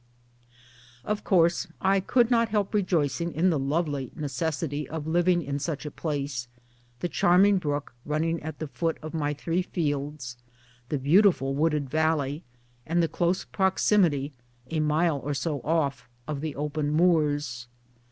Of course I could not help rejoicing in the lovely neces sity of living in such a place the charming brook running at the foot of my three fields, the beautiful wooded valley, and the close proximity, a mile or so off, of the open moors.